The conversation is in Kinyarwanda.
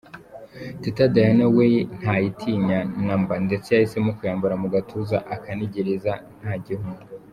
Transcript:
Teta Diana we ntayitinya na mba ndetse yahisemo kuyambara mu gatuza akanigiriza nta gihunga.